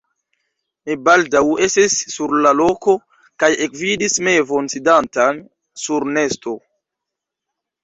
Mi baldaŭ estis sur la loko, kaj ekvidis mevon sidantan sur nesto.